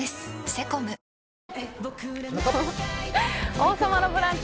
「王様のブランチ」